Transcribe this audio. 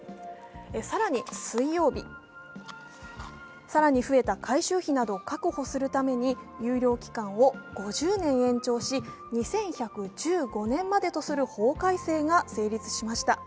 更に水曜日、更に増えた改修費などを確保するために有料期間を５０年延長し、２１１５年までとする法改正が成立しました。